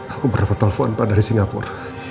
aku mendapat telepon pak dari singapur